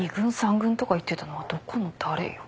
２軍３軍とか言ってたのはどこの誰よ。